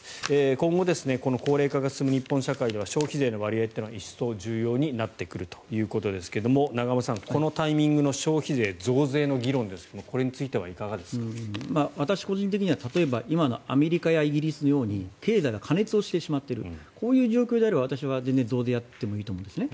今後、高齢化が進む日本社会では消費税の割合というのが一層重要になってくるということですが永濱さん、このタイミングの消費税増税の議論ですが私個人的には、例えば今のアメリカやイギリスのように経済が過熱をしてしまっているこういう状況であれば私は全然増税をやってもいいと思うんですね。